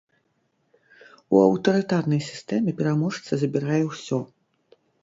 У аўтарытарнай сістэме пераможца забірае ўсё.